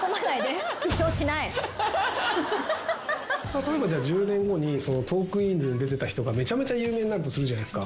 例えばじゃあ１０年後に『トークィーンズ』に出てた人がめちゃめちゃ有名になるとするじゃないですか。